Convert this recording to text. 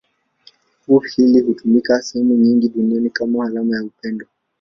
Ua hili hutumika sehemu nyingi duniani kama alama ya upendo.